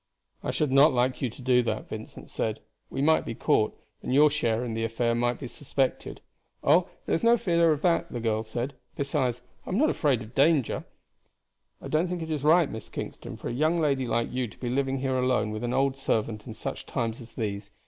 "I should not like you to do that," Vincent said. "We might be caught, and your share in the affair might be suspected." "Oh! there is no fear of that," the girl said; "besides, I am not afraid of danger." "I don't think it is right, Miss Kingston, for a young lady like you to be living here alone with an old servant in such times as these.